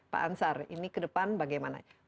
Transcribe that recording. pak ansar ini ke depan bagaimana